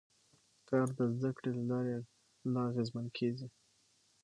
کار د زده کړې له لارې لا اغېزمن کېږي